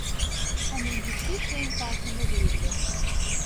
Annem hiçbir şeyin farkında değildi.